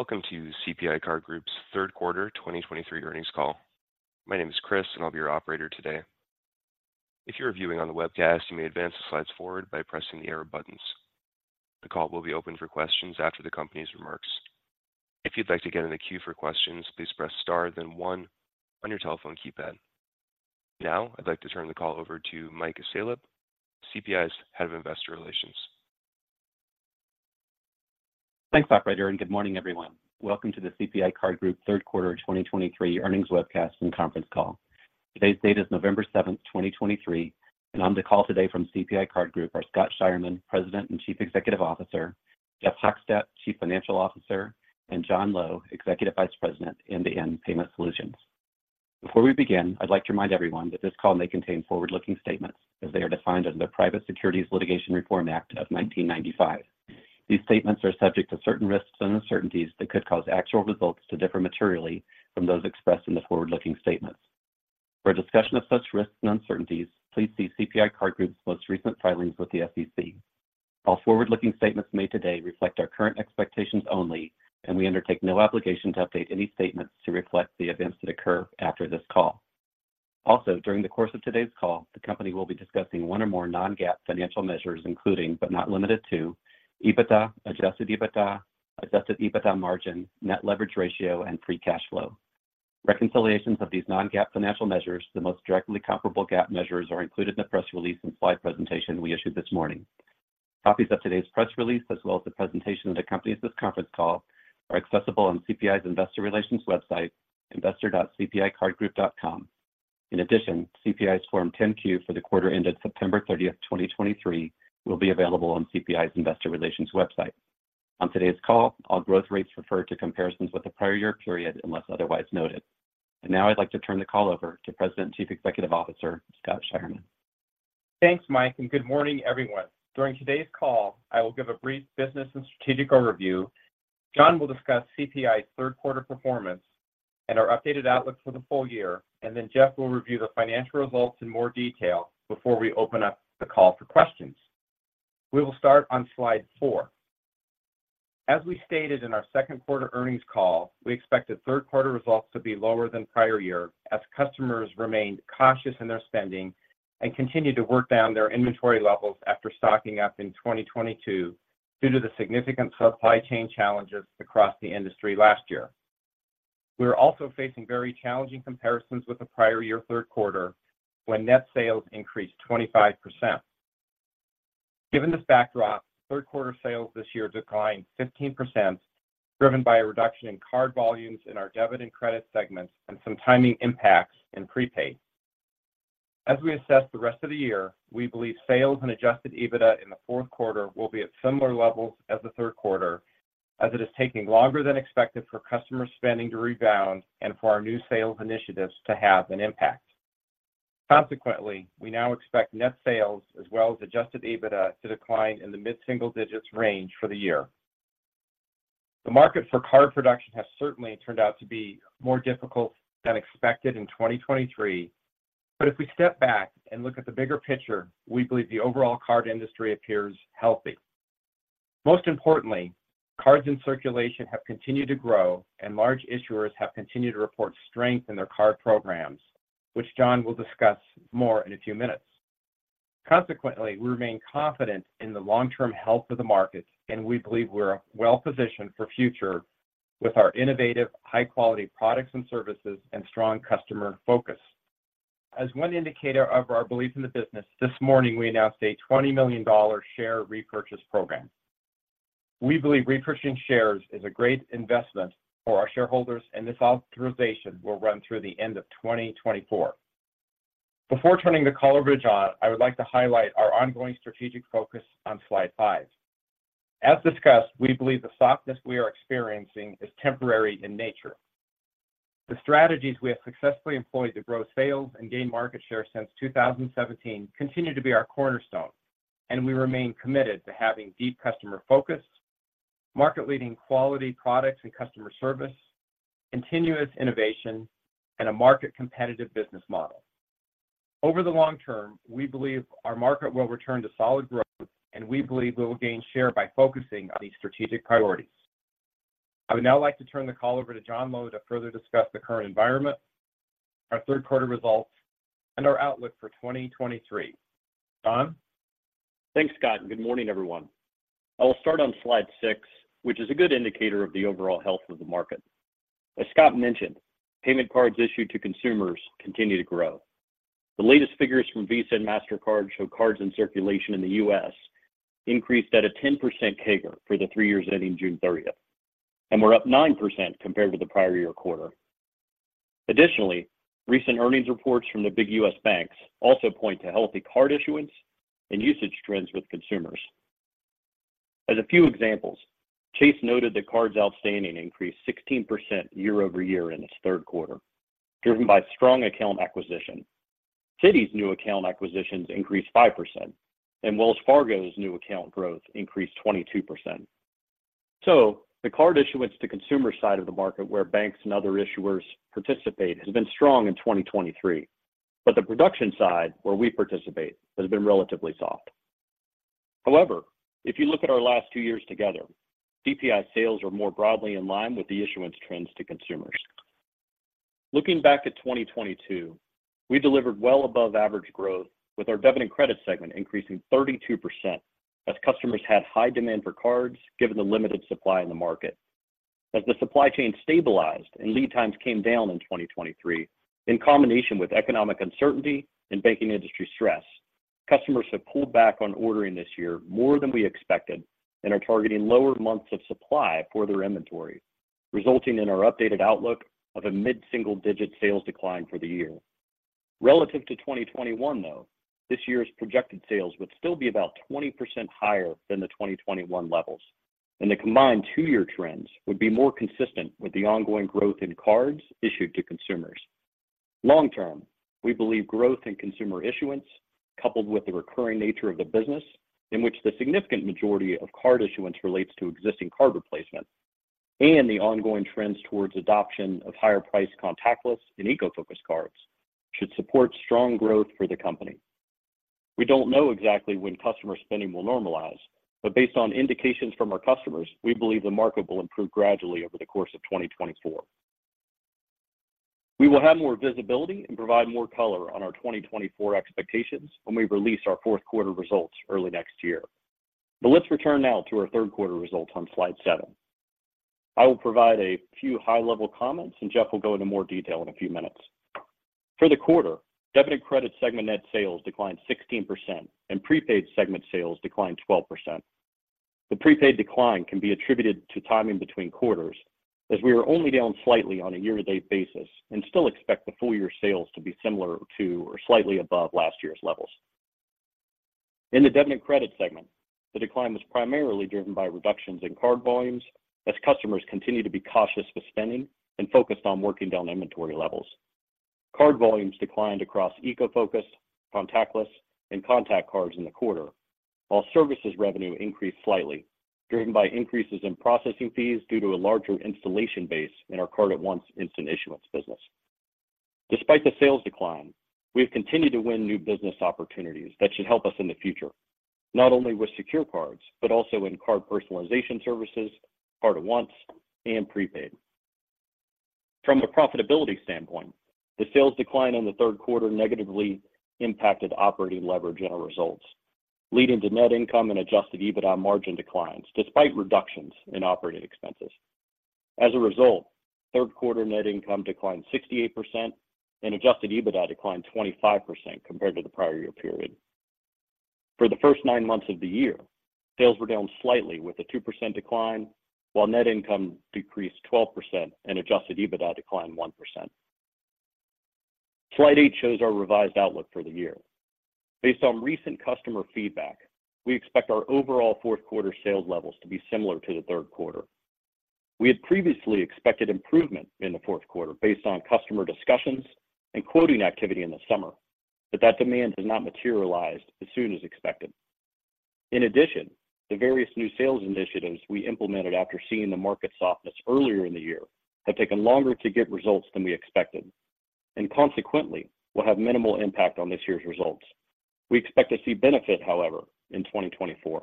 Welcome to CPI Card Group's third quarter 2023 earnings call. My name is Chris, and I'll be your operator today. If you are viewing on the webcast, you may advance the slides forward by pressing the arrow buttons. The call will be open for questions after the company's remarks. If you'd like to get in the queue for questions, please press star then 1 on your telephone keypad. Now, I'd like to turn the call over to Mike Salop, CPI's Head of Investor Relations. Thanks, operator, and good morning, everyone. Welcome to the CPI Card Group third quarter 2023 earnings webcast and conference call. Today's date is November 7, 2023, and on the call today from CPI Card Group are Scott Scheirman, President and Chief Executive Officer, Jeff Hochstadt, Chief Financial Officer, and John Lowe, Executive Vice President, End-to-End Payment Solutions. Before we begin, I'd like to remind everyone that this call may contain forward-looking statements as they are defined under the Private Securities Litigation Reform Act of 1995. These statements are subject to certain risks and uncertainties that could cause actual results to differ materially from those expressed in the forward-looking statements. For a discussion of such risks and uncertainties, please see CPI Card Group's most recent filings with the SEC. All forward-looking statements made today reflect our current expectations only, and we undertake no obligation to update any statements to reflect the events that occur after this call. Also, during the course of today's call, the company will be discussing one or more Non-GAAP financial measures, including but not limited to, EBITDA, adjusted EBITDA, adjusted EBITDA margin, net leverage ratio, and free cash flow. Reconciliations of these Non-GAAP financial measures to the most directly comparable GAAP measures are included in the press release and slide presentation we issued this morning. Copies of today's press release, as well as the presentation for the company's conference call, are accessible on CPI's investor relations website, investor.cpicardgroup.com. In addition, CPI's Form 10-Q for the quarter ended September 30, 2023, will be available on CPI's investor relations website. On today's call, all growth rates refer to comparisons with the prior year period, unless otherwise noted. Now I'd like to turn the call over to President and Chief Executive Officer, Scott Scheirman. Thanks, Mike, and good morning, everyone. During today's call, I will give a brief business and strategic overview. John will discuss CPI's third quarter performance and our updated outlook for the full year, and then Jeff will review the financial results in more detail before we open up the call for questions. We will start on slide four. As we stated in our second quarter earnings call, we expected third quarter results to be lower than prior year as customers remained cautious in their spending and continued to work down their inventory levels after stocking up in 2022 due to the significant supply chain challenges across the industry last year. We are also facing very challenging comparisons with the prior year third quarter, when net sales increased 25%. Given this backdrop, third quarter sales this year declined 15%, driven by a reduction in card volumes in our debit and credit segments and some timing impacts in prepaid. As we assess the rest of the year, we believe sales and adjusted EBITDA in the fourth quarter will be at similar levels as the third quarter, as it is taking longer than expected for customer spending to rebound and for our new sales initiatives to have an impact. Consequently, we now expect net sales as well as adjusted EBITDA to decline in the mid-single digits range for the year. The market for card production has certainly turned out to be more difficult than expected in 2023, but if we step back and look at the bigger picture, we believe the overall card industry appears healthy. Most importantly, cards in circulation have continued to grow, and large issuers have continued to report strength in their card programs, which John will discuss more in a few minutes. Consequently, we remain confident in the long-term health of the market, and we believe we're well positioned for future with our innovative, high-quality products and services and strong customer focus. As one indicator of our belief in the business, this morning we announced a $20 million share repurchase program. We believe repurchasing shares is a great investment for our shareholders, and this authorization will run through the end of 2024. Before turning the call over to John, I would like to highlight our ongoing strategic focus on slide five. As discussed, we believe the softness we are experiencing is temporary in nature. The strategies we have successfully employed to grow sales and gain market share since 2017 continue to be our cornerstone, and we remain committed to having deep customer focus, market-leading quality products and customer service, continuous innovation, and a market competitive business model. Over the long term, we believe our market will return to solid growth, and we believe we will gain share by focusing on these strategic priorities. I would now like to turn the call over to John Lowe to further discuss the current environment, our third quarter results, and our outlook for 2023. John? Thanks, Scott, and good morning, everyone. I will start on slide six, which is a good indicator of the overall health of the market. As Scott mentioned, payment cards issued to consumers continue to grow. The latest figures from Visa and Mastercard show cards in circulation in the U.S. increased at a 10% CAGR for the three years ending June 30th and were up 9% compared to the prior year quarter. Additionally, recent earnings reports from the big U.S. banks also point to healthy card issuance and usage trends with consumers. As a few examples, Chase noted that cards outstanding increased 16% year-over-year in its third quarter, driven by strong account acquisition. Citi's new account acquisitions increased 5%, and Wells Fargo's new account growth increased 22%. So the card issuance to consumer side of the market, where banks and other issuers participate, has been strong in 2023, but the production side, where we participate, has been relatively soft. However, if you look at our last two years together, CPI sales are more broadly in line with the issuance trends to consumers. Looking back at 2022, we delivered well above average growth, with our debit and credit segment increasing 32% as customers had high demand for cards, given the limited supply in the market. As the supply chain stabilized and lead times came down in 2023, in combination with economic uncertainty and banking industry stress, customers have pulled back on ordering this year more than we expected and are targeting lower months of supply for their inventory, resulting in our updated outlook of a mid-single-digit sales decline for the year. Relative to 2021, though, this year's projected sales would still be about 20% higher than the 2021 levels, and the combined three-year trends would be more consistent with the ongoing growth in cards issued to consumers. Long term, we believe growth in consumer issuance, coupled with the recurring nature of the business, in which the significant majority of card issuance relates to existing card replacement, and the ongoing trends towards adoption of higher-priced contactless and eco-focused cards, should support strong growth for the company. We don't know exactly when customer spending will normalize, but based on indications from our customers, we believe the market will improve gradually over the course of 2024. We will have more visibility and provide more color on our 2024 expectations when we release our fourth quarter results early next year. Let's return now to our third quarter results on slide seven. I will provide a few high-level comments, and Jeff will go into more detail in a few minutes. For the quarter, debit and credit segment net sales declined 16%, and prepaid segment sales declined 12%. The prepaid decline can be attributed to timing between quarters, as we are only down slightly on a year-to-date basis and still expect the full year sales to be similar to or slightly above last year's levels. In the debit and credit segment, the decline was primarily driven by reductions in card volumes as customers continue to be cautious with spending and focused on working down inventory levels. Card volumes declined across eco-focused, contactless, and contact cards in the quarter, while services revenue increased slightly, driven by increases in processing fees due to a larger installation base in our Card@Once instant issuance business. Despite the sales decline, we have continued to win new business opportunities that should help us in the future, not only with secure cards, but also in card personalization services, Card@Once, and prepaid. From a profitability standpoint, the sales decline in the third quarter negatively impacted operating leverage and our results, leading to net income and adjusted EBITDA margin declines, despite reductions in operating expenses. As a result, third quarter net income declined 68% and adjusted EBITDA declined 25% compared to the prior year period. For the first nine months of the year, sales were down slightly with a 2% decline, while net income decreased 12% and Adjusted EBITDA declined 1%. Slide eight shows our revised outlook for the year. Based on recent customer feedback, we expect our overall fourth quarter sales levels to be similar to the third quarter. We had previously expected improvement in the fourth quarter based on customer discussions and quoting activity in the summer, but that demand has not materialized as soon as expected. In addition, the various new sales initiatives we implemented after seeing the market softness earlier in the year have taken longer to get results than we expected and consequently will have minimal impact on this year's results. We expect to see benefit, however, in 2024.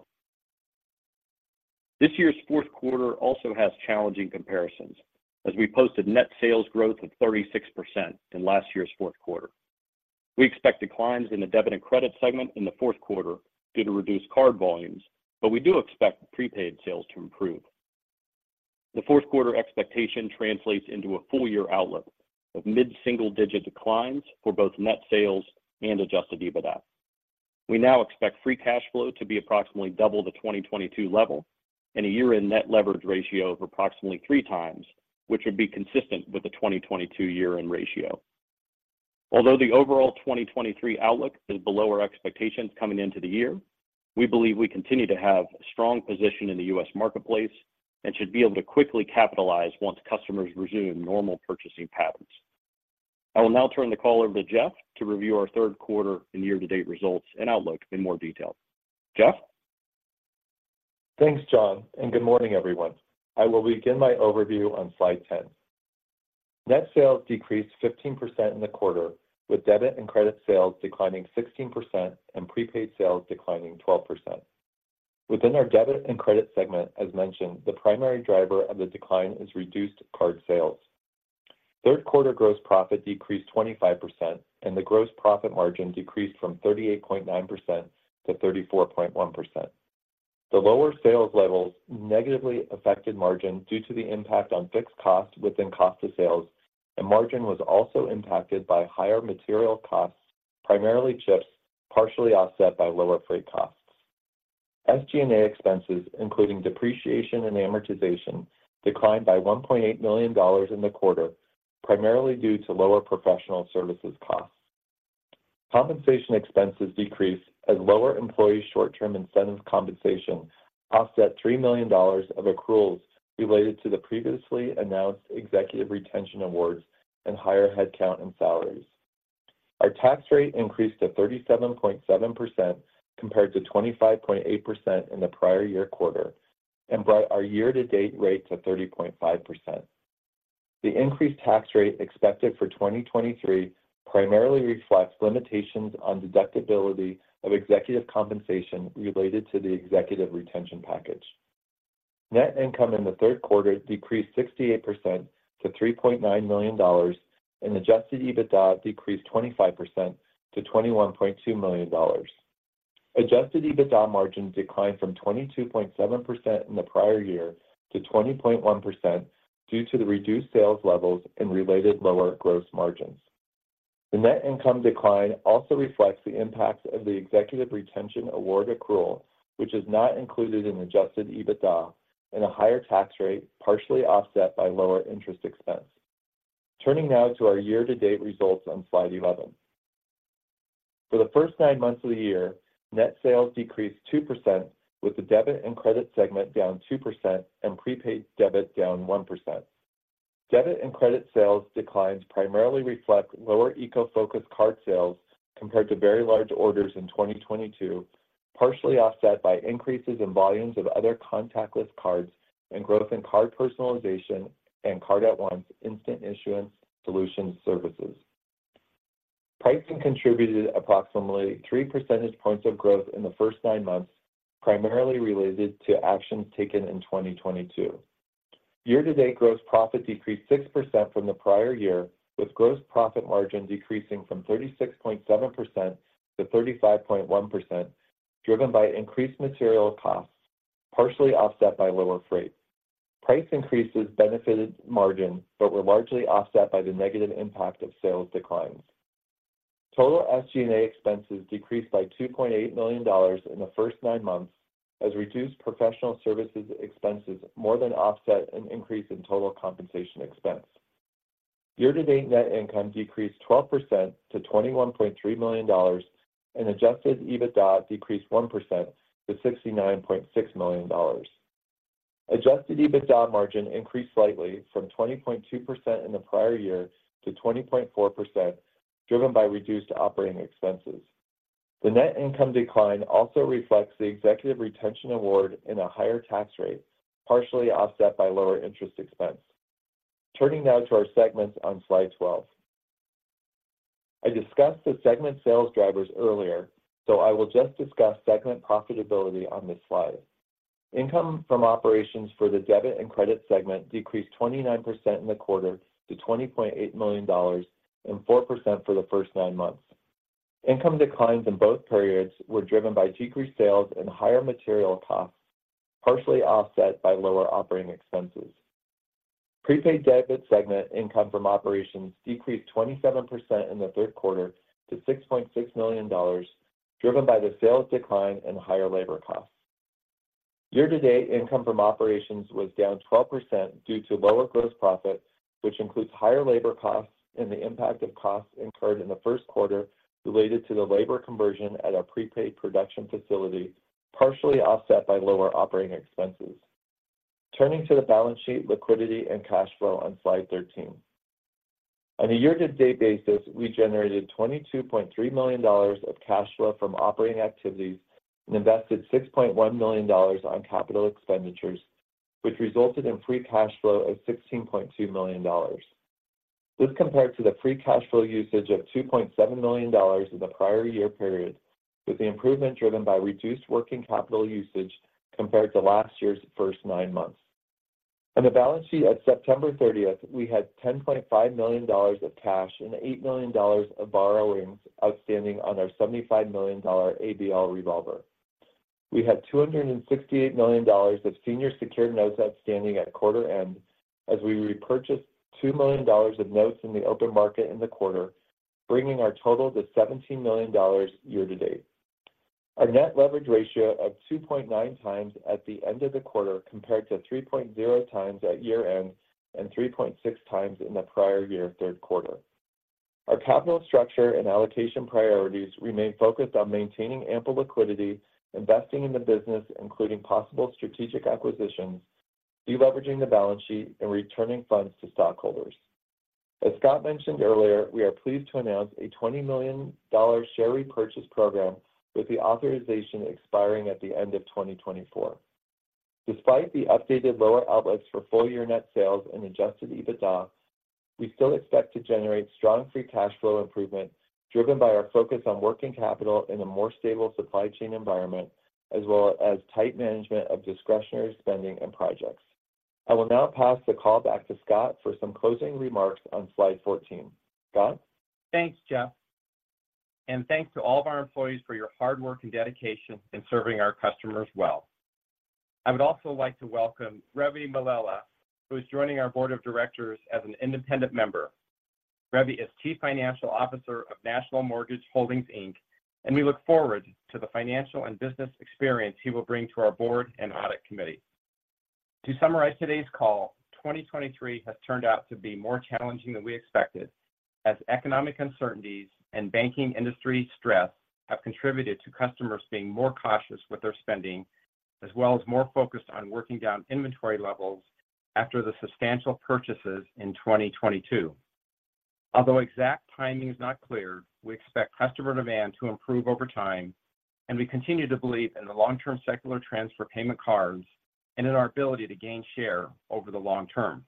This year's fourth quarter also has challenging comparisons as we posted net sales growth of 36% in last year's fourth quarter. We expect declines in the debit and credit segment in the fourth quarter due to reduced card volumes, but we do expect prepaid sales to improve. The fourth quarter expectation translates into a full-year outlook of mid-single-digit declines for both net sales and Adjusted EBITDA. We now expect free cash flow to be approximately double the 2022 level and a year-end net leverage ratio of approximately 3x, which would be consistent with the 2022 year-end ratio. Although the overall 2023 outlook is below our expectations coming into the year, we believe we continue to have a strong position in the U.S. marketplace and should be able to quickly capitalize once customers resume normal purchasing patterns. I will now turn the call over to Jeff to review our third quarter and year-to-date results and outlook in more detail. Jeff? Thanks, John, and good morning, everyone. I will begin my overview on Slide 10. Net sales decreased 15% in the quarter, with debit and credit sales declining 16% and prepaid sales declining 12%. Within our debit and credit segment, as mentioned, the primary driver of the decline is reduced card sales. Third quarter gross profit decreased 25%, and the gross profit margin decreased from 38.9%-34.1%. The lower sales levels negatively affected margin due to the impact on fixed costs within cost of sales, and margin was also impacted by higher material costs, primarily chips, partially offset by lower freight costs. SG&A expenses, including depreciation and amortization, declined by $1.8 million in the quarter, primarily due to lower professional services costs. Compensation expenses decreased as lower employee short-term incentive compensation offset $3 million of accruals related to the previously announced executive retention awards and higher headcount and salaries. Our tax rate increased to 37.7%, compared to 25.8% in the prior year quarter, and brought our year-to-date rate to 30.5%.... The increased tax rate expected for 2023 primarily reflects limitations on deductibility of executive compensation related to the executive retention package. Net income in the third quarter decreased 68% to $3.9 million, and Adjusted EBITDA decreased 25% to $21.2 million. Adjusted EBITDA margin declined from 22.7% in the prior year to 20.1% due to the reduced sales levels and related lower gross margins. The net income decline also reflects the impacts of the executive retention award accrual, which is not included in Adjusted EBITDA, and a higher tax rate, partially offset by lower interest expense. Turning now to our year-to-date results on Slide 11. For the first nine months of the year, net sales decreased 2%, with the debit and credit segment down 2% and prepaid debit down 1%. Debit and credit sales declines primarily reflect lower eco-focused card sales compared to very large orders in 2022, partially offset by increases in volumes of other contactless cards and growth in card personalization and Card@Once's instant issuance solution services. Pricing contributed approximately three percentage points of growth in the first nine months, primarily related to actions taken in 2022. Year-to-date gross profit decreased 6% from the prior year, with gross profit margin decreasing from 36.7%-35.1%, driven by increased material costs, partially offset by lower freight. Price increases benefited margin, but were largely offset by the negative impact of sales declines. Total SG&A expenses decreased by $2.8 million in the first nine months, as reduced professional services expenses more than offset an increase in total compensation expense. Year-to-date net income decreased 12% to $21.3 million, and adjusted EBITDA decreased 1% to $69.6 million. Adjusted EBITDA margin increased slightly from 20.2% in the prior year to 20.4%, driven by reduced operating expenses. The net income decline also reflects the executive retention award and a higher tax rate, partially offset by lower interest expense. Turning now to our segments on Slide 12. I discussed the segment sales drivers earlier, so I will just discuss segment profitability on this slide. Income from operations for the debit and credit segment decreased 29% in the quarter to $20.8 million and 4% for the first nine months. Income declines in both periods were driven by decreased sales and higher material costs, partially offset by lower operating expenses. Prepaid debit segment income from operations decreased 27% in the third quarter to $6.6 million, driven by the sales decline and higher labor costs. Year-to-date income from operations was down 12% due to lower gross profit, which includes higher labor costs and the impact of costs incurred in the first quarter related to the labor conversion at our prepaid production facility, partially offset by lower operating expenses. Turning to the balance sheet, liquidity, and cash flow on Slide 13. On a year-to-date basis, we generated $22.3 million of cash flow from operating activities and invested $6.1 million on capital expenditures, which resulted in free cash flow of $16.2 million. This compared to the free cash flow usage of $2.7 million in the prior year period, with the improvement driven by reduced working capital usage compared to last year's first nine months. On the balance sheet at September 30th, we had $10.5 million of cash and $8 million of borrowings outstanding on our $75 million ABL revolver. We had $268 million of senior secured notes outstanding at quarter end, as we repurchased $2 million of notes in the open market in the quarter, bringing our total to $17 million year to date. Our net leverage ratio of 2.9 times at the end of the quarter, compared to 3.0x at year-end and 3.6x in the prior-year third quarter. Our capital structure and allocation priorities remain focused on maintaining ample liquidity, investing in the business, including possible strategic acquisitions, de-leveraging the balance sheet, and returning funds to stockholders. As Scott mentioned earlier, we are pleased to announce a $20 million share repurchase program, with the authorization expiring at the end of 2024. Despite the updated lower outlets for full-year net sales and Adjusted EBITDA, we still expect to generate strong free cash flow improvement, driven by our focus on working capital in a more stable supply chain environment, as well as tight management of discretionary spending and projects. I will now pass the call back to Scott for some closing remarks on Slide 14. Scott? Thanks, Jeff, and thanks to all of our employees for your hard work and dedication in serving our customers well. I would also like to welcome Ravi Mallela, who is joining our board of directors as an independent member. Ravi is Chief Financial Officer of NMI Holdings, Inc., and we look forward to the financial and business experience he will bring to our board and audit committee. To summarize today's call, 2023 has turned out to be more challenging than we expected, as economic uncertainties and banking industry stress have contributed to customers being more cautious with their spending, as well as more focused on working down inventory levels after the substantial purchases in 2022.... Although exact timing is not clear, we expect customer demand to improve over time, and we continue to believe in the long-term secular trends for payment cards and in our ability to gain share over the long term.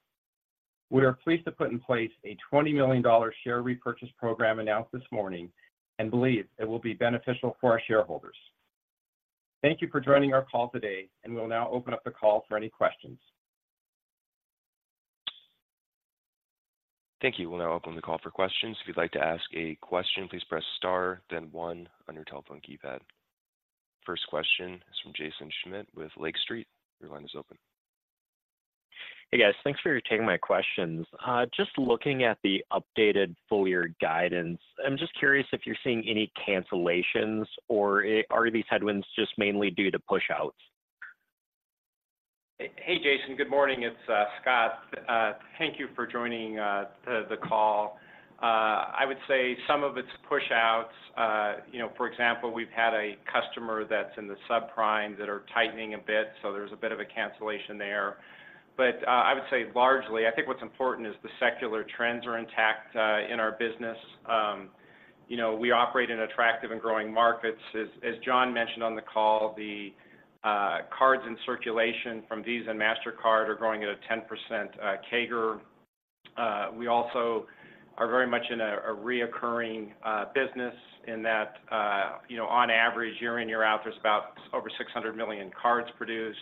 We are pleased to put in place a $20 million share repurchase program announced this morning and believe it will be beneficial for our shareholders. Thank you for joining our call today, and we'll now open up the call for any questions. Thank you. We'll now open the call for questions. If you'd like to ask a question, please press star then one on your telephone keypad. First question is from Jason Schmidt with Lake Street. Your line is open. Hey, guys. Thanks for taking my questions. Just looking at the updated full year guidance, I'm just curious if you're seeing any cancellations, or are these headwinds just mainly due to push-outs? Hey, Jaeson. Good morning. It's Scott. Thank you for joining the call. I would say some of it's push-outs. You know, for example, we've had a customer that's in the subprime that are tightening a bit, so there's a bit of a cancellation there. But I would say largely, I think what's important is the secular trends are intact in our business. You know, we operate in attractive and growing markets. As John mentioned on the call, the cards in circulation from Visa and Mastercard are growing at a 10% CAGR. We also are very much in a reoccurring business in that you know, on average, year in, year out, there's about over 600 million cards produced.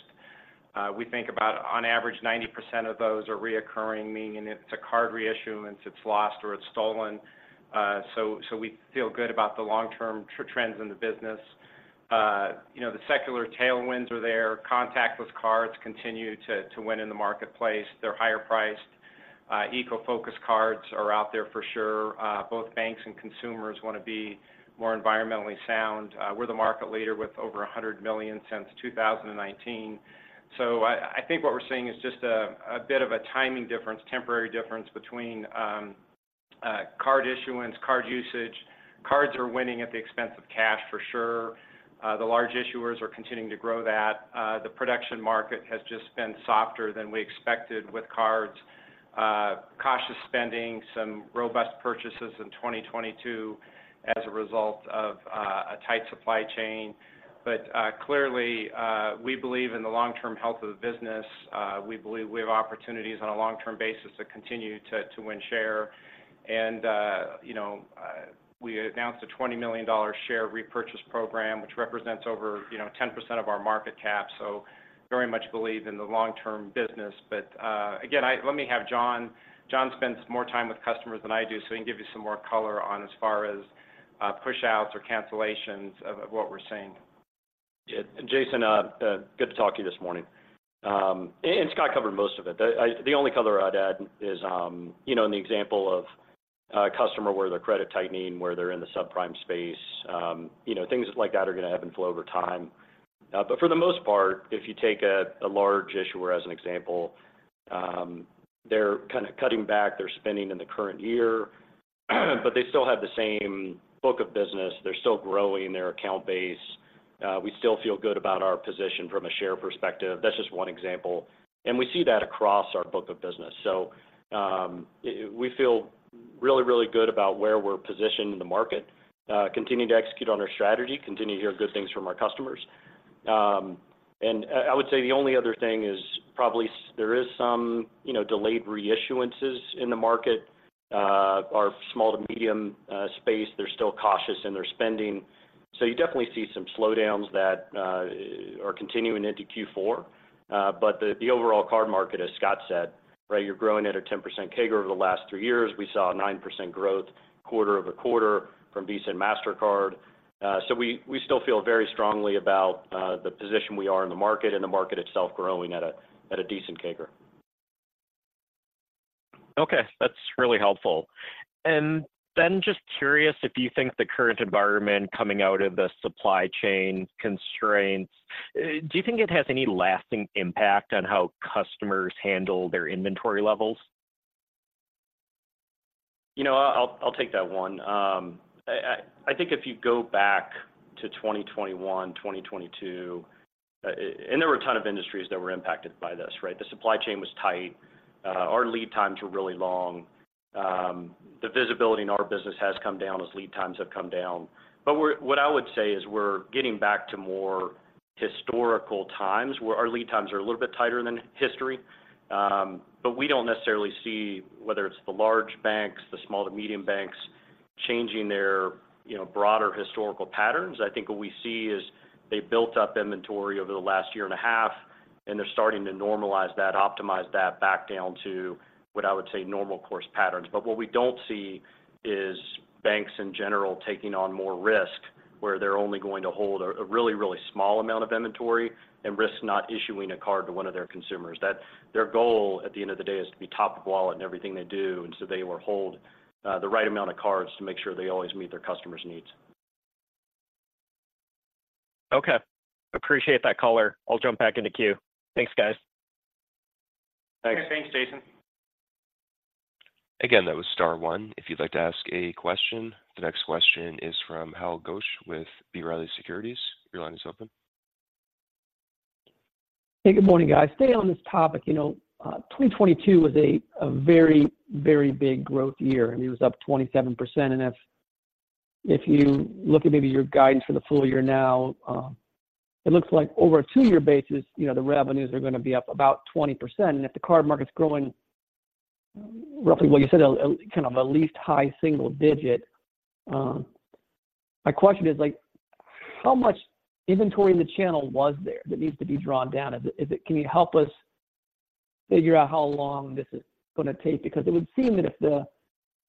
We think about on average, 90% of those are recurring, meaning it's a card reissuance, it's lost or it's stolen. So we feel good about the long-term trends in the business. You know, the secular tailwinds are there. Contactless cards continue to win in the marketplace. They're higher priced. Eco-focused cards are out there for sure. Both banks and consumers want to be more environmentally sound. We're the market leader with over 100 million since 2019. So I think what we're seeing is just a bit of a timing difference, temporary difference between card issuance, card usage. Cards are winning at the expense of cash for sure. The large issuers are continuing to grow that. The production market has just been softer than we expected with cards, cautious spending, some robust purchases in 2022 as a result of a tight supply chain. But clearly, we believe in the long-term health of the business. We believe we have opportunities on a long-term basis to continue to win share. And you know, we announced a $20 million share repurchase program, which represents over, you know, 10% of our market cap, so very much believe in the long-term business. But again, let me have John. John spends more time with customers than I do, so he can give you some more color on as far as push-outs or cancellations of what we're seeing. Yeah, Jaeson, good to talk to you this morning. Scott covered most of it. The only color I'd add is, you know, in the example of a customer where they're credit tightening, where they're in the subprime space, you know, things like that are going to ebb and flow over time. But for the most part, if you take a large issuer as an example, they're kind of cutting back their spending in the current year, but they still have the same book of business. They're still growing their account base. We still feel good about our position from a share perspective. That's just one example, and we see that across our book of business. So, we feel really, really good about where we're positioned in the market, continuing to execute on our strategy, continue to hear good things from our customers. And, I would say the only other thing is probably there is some, you know, delayed reissuances in the market. Our small to medium space, they're still cautious in their spending, so you definitely see some slowdowns that are continuing into Q4. But the overall card market, as Scott said, right, you're growing at a 10% CAGR over the last three years. We saw a 9% growth quarter-over-quarter from Visa and Mastercard. So we still feel very strongly about the position we are in the market and the market itself growing at a decent CAGR. Okay, that's really helpful. And then just curious if you think the current environment coming out of the supply chain constraints, do you think it has any lasting impact on how customers handle their inventory levels? You know, I'll take that one. I think if you go back to 2021, 2022, and there were a ton of industries that were impacted by this, right? The supply chain was tight. Our lead times were really long. The visibility in our business has come down as lead times have come down. But we're, what I would say is we're getting back to more historical times, where our lead times are a little bit tighter than history, but we don't necessarily see whether it's the large banks, the small to medium banks, changing their, you know, broader historical patterns. I think what we see is they built up inventory over the last year and a half, and they're starting to normalize that, optimize that back down to what I would say normal course patterns. But what we don't see is banks in general taking on more risk, where they're only going to hold a really, really small amount of inventory and risk not issuing a card to one of their consumers. That, their goal, at the end of the day, is to be top of wallet in everything they do, and so they will hold the right amount of cards to make sure they always meet their customers' needs. Okay. Appreciate that color. I'll jump back in the queue. Thanks, guys. Thanks. Thanks, Jaeson. Again, that was star one if you'd like to ask a question. The next question is from Hal Goetsch with B. Riley Securities. Your line is open. Hey, good morning, guys. Staying on this topic, you know, 2022 was a very, very big growth year. I mean, it was up 27%. And if you look at maybe your guidance for the full year now, it looks like over a two-year basis, you know, the revenues are going to be up about 20%. And if the card market's growing roughly what you said, a kind of at least high single digit, my question is like, how much inventory in the channel was there that needs to be drawn down? Is it—Can you help us figure out how long this is going to take? Because it would seem that if the...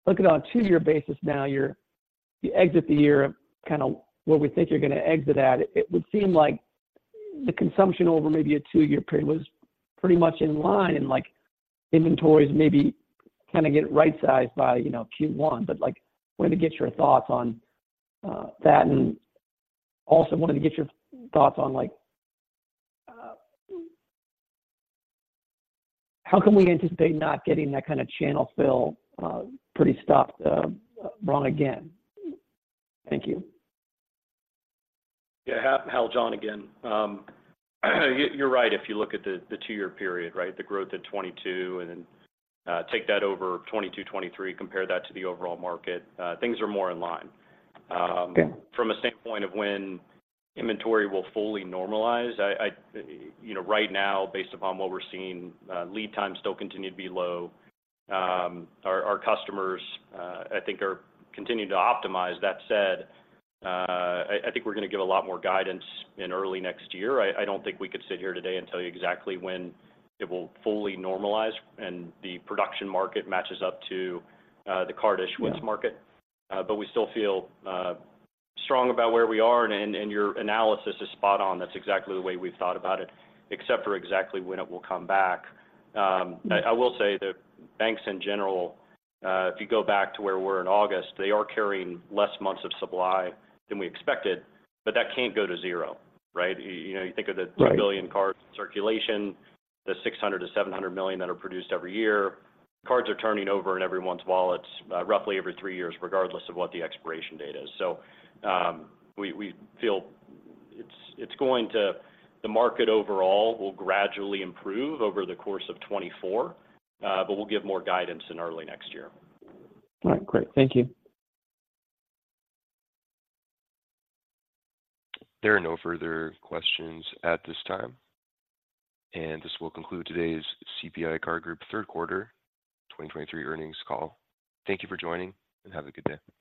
Looking on a two-year basis now, you're you exit the year, kind of where we think you're going to exit at, it would seem like the consumption over maybe a two-year period was pretty much in line, and, like, inventories maybe kind of get right-sized by, you know, Q1. But, like, wanted to get your thoughts on that, and also wanted to get your thoughts on, like, how can we anticipate not getting that kind of channel fill pretty stopped wrong again? Thank you. Yeah. Hal, John again. You're right. If you look at the two-year period, right? The growth in 2022 and then take that over 2022, 2023, compare that to the overall market, things are more in line. Okay. From a standpoint of when inventory will fully normalize, I. You know, right now, based upon what we're seeing, lead times still continue to be low. Our customers, I think, are continuing to optimize. That said, I think we're going to give a lot more guidance in early next year. I don't think we could sit here today and tell you exactly when it will fully normalize, and the production market matches up to the card issuance market. Yeah. But we still feel strong about where we are, and your analysis is spot on. That's exactly the way we've thought about it, except for exactly when it will come back. Yeah. I will say that banks in general, if you go back to where we were in August, they are carrying less months of supply than we expected, but that can't go to zero, right? You know, you think of the- Right... billion cards in circulation, the 600 million-700 million that are produced every year. Cards are turning over in everyone's wallets, roughly every three years, regardless of what the expiration date is. So, we feel it's going to, the market overall will gradually improve over the course of 2024, but we'll give more guidance in early next year. All right, great. Thank you. There are no further questions at this time, and this will conclude today's CPI Card Group third quarter 2023 earnings call. Thank you for joining, and have a good day.